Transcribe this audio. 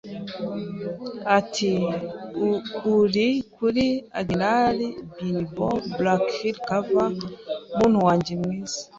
I. Ati: "uri kuri Admiral Benbow, Black Hill Cove, muntu wanjye mwiza".